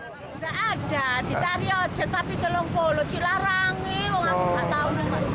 tidak ada di tariot tapi di lompolo cilarangi